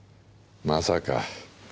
まさか。